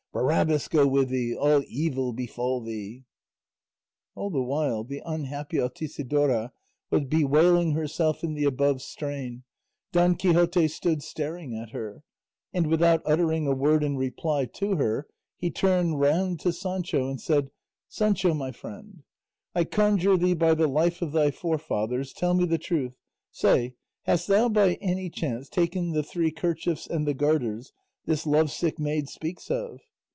Barabbas go with thee! All evil befall thee! All the while the unhappy Altisidora was bewailing herself in the above strain Don Quixote stood staring at her; and without uttering a word in reply to her he turned round to Sancho and said, "Sancho my friend, I conjure thee by the life of thy forefathers tell me the truth; say, hast thou by any chance taken the three kerchiefs and the garters this love sick maid speaks of?"